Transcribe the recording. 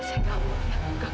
saya gak mau gak mau